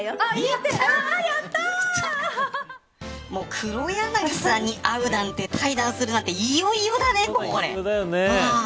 黒柳さんに会うなんて対談するなんていよいよだね、これ。